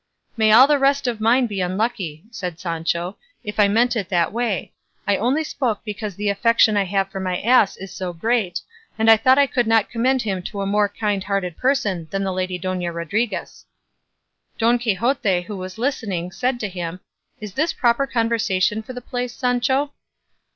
"May all the rest of mine be unlucky," said Sancho, "if I meant it that way; I only spoke because the affection I have for my ass is so great, and I thought I could not commend him to a more kind hearted person than the lady Dona Rodriguez." Don Quixote, who was listening, said to him, "Is this proper conversation for the place, Sancho?"